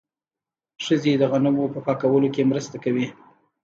ښځې د غنمو په پاکولو کې مرسته کوي.